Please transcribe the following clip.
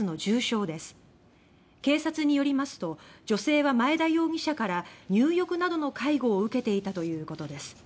警察によりますと、女性は前田容疑者から入浴などの介護を受けていたということです。